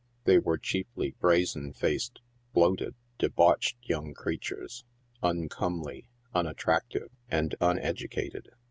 They are chiefly brazen faced, bloated, debauched young creatures, uncomely, unattractive and uneducated.